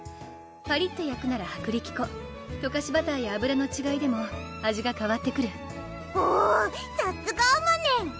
パリッと焼くなら薄力粉とかしバターや油のちがいでも味がかわってくるほうさっすがあまねん！